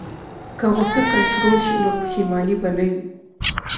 که غوسه کنټرول شي، نو پښیماني به نه وي.